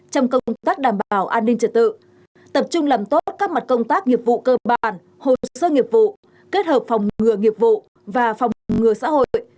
trong công tác đảm bảo an ninh trật tự tập trung làm tốt các mặt công tác nghiệp vụ cơ bản hồ sơ nghiệp vụ kết hợp phòng ngừa nghiệp vụ và phòng ngừa xã hội